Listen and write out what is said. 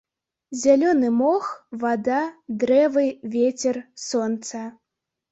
Зялёны мох, вада, дрэвы, вецер, сонца.